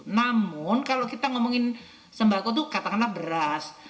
namun kalau kita ngomongin sembako itu katakanlah beras